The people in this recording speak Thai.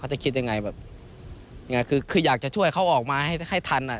เขาจะคิดยังไงคืออยากจะช่วยเขาออกมาให้ทันอ่ะ